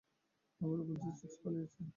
আবারও বলছি, সিক্স পালিয়েছে।